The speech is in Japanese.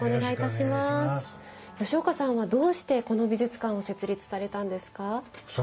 吉岡さんは、どうしてこの美術館を設立されたんですか？